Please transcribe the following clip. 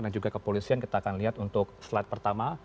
dan juga kepolisian kita akan lihat untuk slide pertama